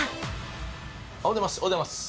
おはようございます。